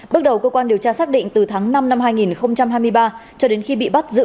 bước đầu cơ quan điều tra xác định từ tháng năm năm hai nghìn hai mươi ba cho đến khi bị bắt giữ